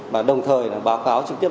và đồng thời báo cáo trực tiếp